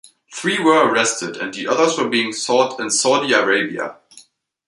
Three were arrested and the others were being sought in Saudi Arabia.